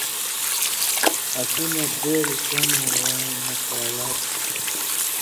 اسی مہ دیل کمہۡ وؤں مہ کالا تھُو۔